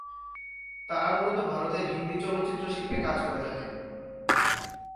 তারা মূলত ভারতের হিন্দি চলচ্চিত্র শিল্পে কাজ করে থাকেন।